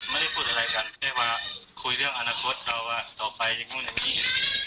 ไม่ได้พูดอะไรกันแค่ว่าคุยเรื่องอนาคตเราว่าต่อไปอย่างนู้นอย่างนี้